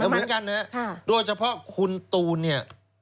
เหมือนกันนะครับโดยเฉพาะคุณตูนเนี่ย